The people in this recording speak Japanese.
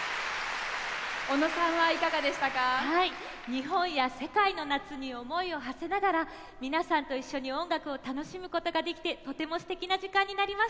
日本や世界の夏に思いをはせながら皆さんと一緒に音楽を楽しむことができてとてもすてきな時間になりました。